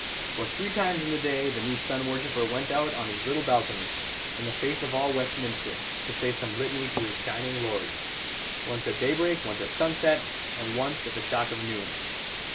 For three times in the day the new sun worshipper went out on his little balcony, in the face of all Westminster, to say some litany to his shining lord: once at daybreak, once at sunset, and once at the shock of noon.